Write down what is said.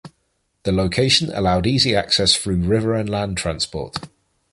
The location allowed easy access through river and land transport.